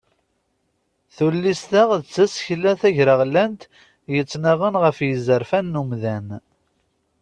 Tullist-a d tasekla tagreɣlant yettnaɣen ɣef yizerfan n umdan.